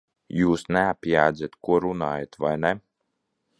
Jūs neapjēdzat, ko runājat, vai ne?